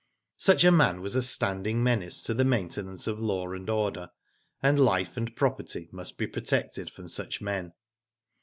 Such a man was a standing menace to the maintenance of law and order, and life and property must be protected from such men.